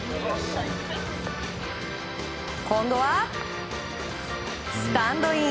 今度はスタンドイン。